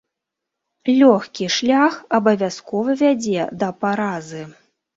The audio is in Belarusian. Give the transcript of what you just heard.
Лёгкі шлях абавязкова вядзе да паразы.